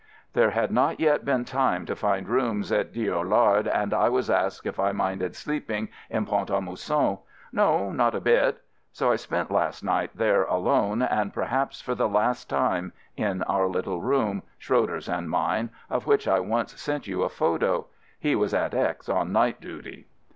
There had not yet been time to find rooms in Dieulouard, and I was asked if I minded sleeping in Pont a Mousson. " No, not a bit!" So I spent last night there alone, and perhaps for the last time — in our little room, Schroeder's and mine, of which I once sent you a photo. He was at X on night duty.